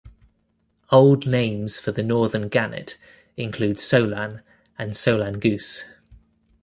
Old names for the northern gannet include solan and solan goose.